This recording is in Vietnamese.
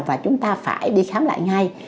và chúng ta phải đi khám lại ngay